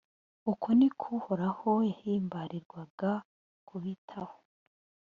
uko niko uhoraho yahimbarirwaga kubitaho